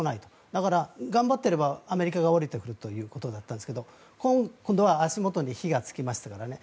だから頑張っていればアメリカが下りてくるということだったんですが今度は足元に火がつきましたからね。